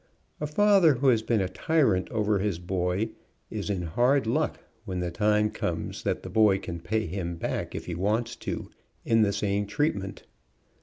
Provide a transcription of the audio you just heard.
A father who has been a tyrant over his boy is in hard luck when the time comes that the boy can pay him back if he wants to, in the same treat ment.